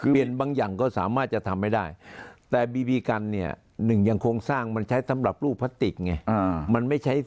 บางอย่างก็สามารถจะทำให้ได้แต่บีบีกันเนี่ยหนึ่งยังโครงสร้างมันใช้สำหรับลูกพลาสติกไง